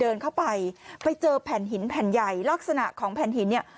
เดินเข้าไปไปเจอแผ่นหินแผ่นใหญ่ลักษณะของแผ่นหินเนี่ย